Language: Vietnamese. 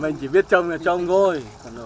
mình chỉ biết trông là trông thôi